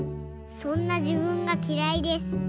そんなじぶんがきらいです。